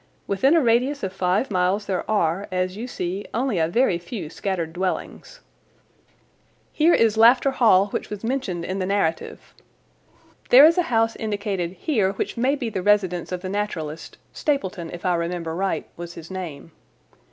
Within a radius of five miles there are, as you see, only a very few scattered dwellings. Here is Lafter Hall, which was mentioned in the narrative. There is a house indicated here which may be the residence of the naturalist—Stapleton, if I remember right, was his name.